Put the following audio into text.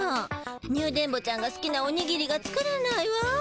ニュ電ボちゃんがすきなおにぎりが作れないわ。